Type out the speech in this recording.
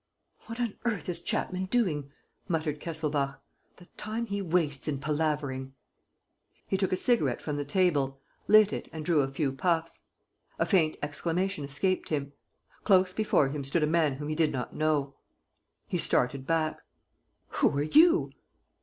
"What on earth is Chapman doing?" muttered Kesselbach. "The time he wastes in palavering! ..." He took a cigarette from the table, lit it and drew a few puffs. A faint exclamation escaped him. Close before him stood a man whom he did not know. He started back: "Who are you?"